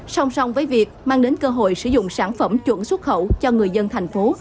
song song với việc mang đến cơ hội sử dụng sản phẩm chuẩn xuất khẩu cho người dân thành phố